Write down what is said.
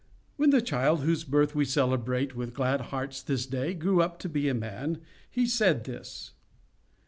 "When the Child whose birth we celebrate with glad hearts this day, grew up to be a man, He said this.